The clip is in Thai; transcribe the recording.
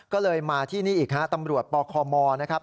ก็เลยมาที่นี่อีกฮะตำรวจปคมนะครับ